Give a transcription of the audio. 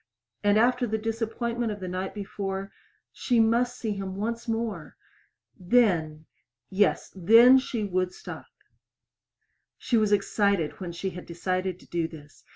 And after the disappointment of the night before She must see him once more! Then yes, then she would stop. She was excited when she had decided to do this.